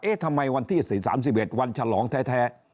ทำไมวันที่๓๑วันฉลองแท้